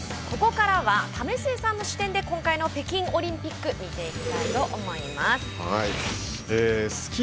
ここからは為末さんの視点で今回の北京オリンピックを見ていきたいと思います。